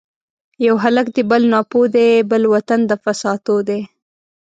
یو هلک دی بل ناپوه دی ـ بل وطن د فساتو دی